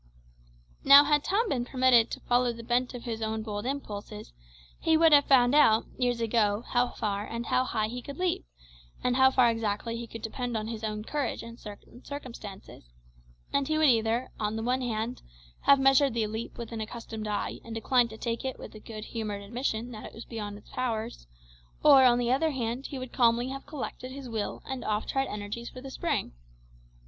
Now, had Tom been permitted to follow the bent of his own bold impulses, he would have found out, years ago, how far and how high he could leap, and how far exactly he could depend on his own courage in certain circumstances; and he would either, on the one hand, have measured the leap with an accustomed eye, and declined to take it with a good humoured admission that it was beyond his powers, or, on the other hand, he would calmly have collected his well and oft tried energies for the spring.